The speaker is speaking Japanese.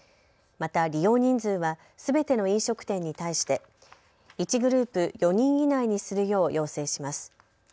また利用人数はすべての飲食店に対して１グループ４人以内にするよう要請します。